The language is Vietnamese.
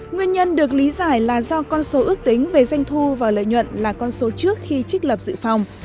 nguyên nhân được lý giải là do con số ước tính về doanh thu và lợi nhuận là con số trước khi trích lập dự phòng